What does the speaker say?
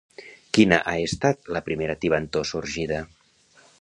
Quina ha estat la primera tibantor sorgida?